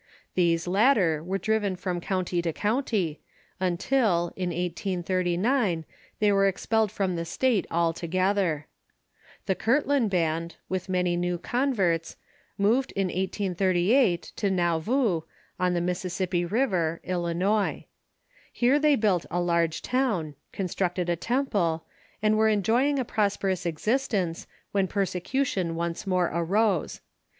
These latter were driven from county to county, until, in 1839, they were expelled from the state altogether. The Kirtland band, with many new converts, moved in 1838 to Nauvoo, on the Mississippi River, Illinois. Here they built a large town, con structed a temple, and were enjoying a prosperous existence, when persecution once more arose.